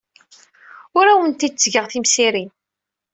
Ur awent-d-ttgeɣ timsirin.